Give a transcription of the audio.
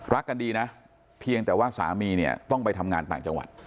รักกันดีนะเพียงแต่ว่าสามีเนี่ยต้องไปทำงานต่างจังหวัด